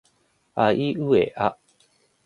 あいうえあ